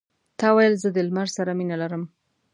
تا ویل زه د لمر سره مینه لرم.